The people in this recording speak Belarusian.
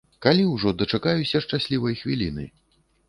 Калі ўжо дачакаюся шчаслівай хвіліны?